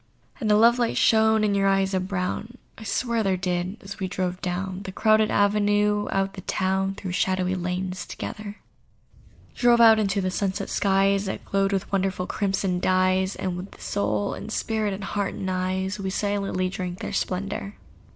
And a love light shone in your eyes of brown— I swear there did!—as we drove down The crowded avenue out of the town, Through shadowy lanes, together: Drove out into the sunset skies That glowed with wonderful crimson dyes; And with soul and spirit, and heart and eyes, We silently drank their splendour.